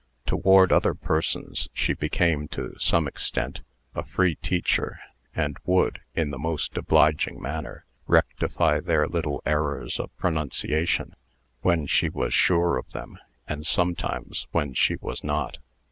Toward other persons, she became, to some extent, a free teacher, and would, in the most obliging manner, rectify their little errors of pronunciation, when she was sure of them, and sometimes when she was not.